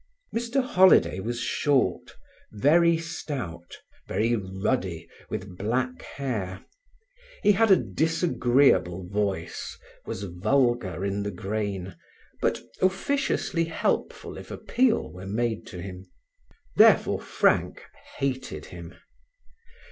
Mr Holiday was short, very stout, very ruddy, with black hair. He had a disagreeable voice, was vulgar in the grain, but officiously helpful if appeal were made to him. Therefore Frank hated him.